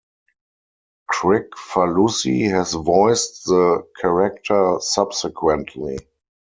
Kricfalusi has voiced the character subsequently.